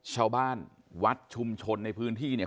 ชาวบ้านวัดชุมชนในพื้นที่เนี่ย